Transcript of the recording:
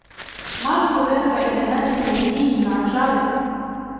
ماركو ذهب الي نادي ليلي مع جاره.